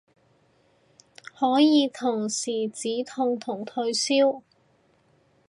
可以同時止痛同退燒